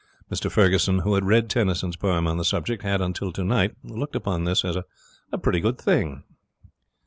Mr Ferguson, who had read Tennyson's poem on the subject, had until tonight looked upon this as a pretty good thing.